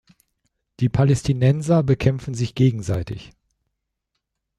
Die Palästinenser bekämpfen sich gegenseitig.